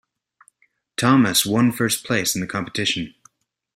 Thomas one first place in the competition.